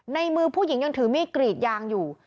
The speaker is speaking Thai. ในมือผู้หญิงยังถือมีดกรีดยางอยู่